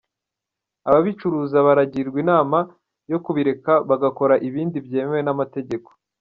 Ababicuruza baragirwa inama yo kubireka bagakora ibindi byemewe n’amategeko."